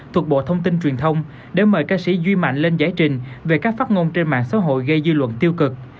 thuộc bộ thông tin truyền thông để mời ca sĩ duy mạnh lên giải trình về các phát ngôn trên mạng xã hội gây dư luận tiêu cực